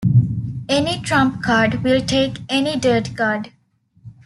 Any trump card will take any dirt card.